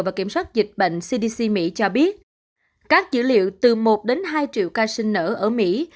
và kiểm soát dịch bệnh cdc mỹ cho biết các dữ liệu từ một đến hai triệu ca sinh nở ở mỹ